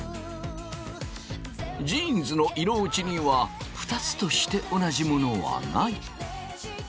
ジーンズの色落ちにはニつとして同じものはない。